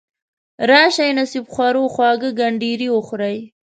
راشئ نصیب خورو خواږه کنډیري وخورئ.